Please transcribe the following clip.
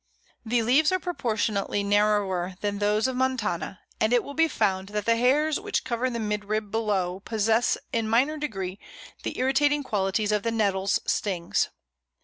The leaves are proportionately narrower than those of montana, and it will be found that the hairs which cover the midrib below possess in minor degree the irritating qualities of the Nettle's stings.